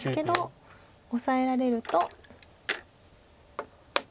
オサえられると。